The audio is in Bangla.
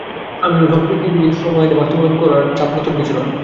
আমিরুল হক ইপিজেডে শ্রম আইন বাস্তবায়ন করার চাপ নতুন কিছু নয়।